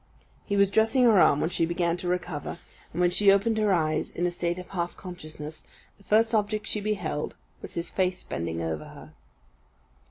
He was dressing her arm when she began to recover; and when she opened her eyes, in a state of half consciousness, he first object she beheld was his face bending over her.